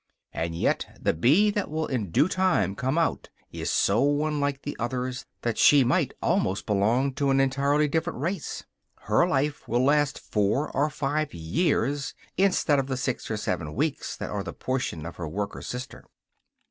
And yet the bee that will in due time come out is so unlike the others that she might almost belong to an entirely different race. Her life will last four or five years, instead of the six or seven weeks that are the portion of her worker sister.